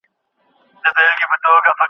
رښتینی دوست په سخته کې معلومیږي.